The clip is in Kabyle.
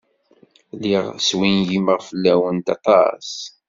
Lliɣ swingimeɣ fell-awent aṭas.